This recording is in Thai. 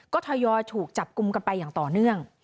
ก็ทยอยถูกจับกลุ่มกันไปอย่างต่อเนื่อง